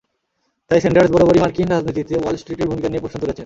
তাই স্যান্ডার্স বরাবরই মার্কিন রাজনীতিতে ওয়াল স্ট্রিটের ভূমিকা নিয়ে প্রশ্ন তুলেছেন।